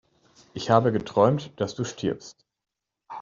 Ich habe geträumt, dass du stirbst!